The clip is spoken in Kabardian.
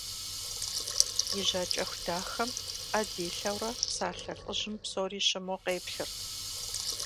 И жьакӏэху дахэм ӏэ дилъэурэ псалъэ лӏыжьым псори щыму къеплъырт.